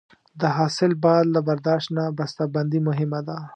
د حاصل بعد له برداشت نه بسته بندي مهمه ده.